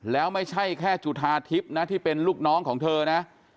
แล้วไม่ใช่แค่จุธาทิพย์นะที่เป็นลูกน้องของเธอนะ